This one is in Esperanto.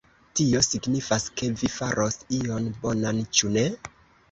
Tio signifas ke vi faros ion bonan, ĉu ne?